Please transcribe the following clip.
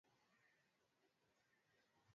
Wamarekani ndio wengi hupenda mchezo wa kikapu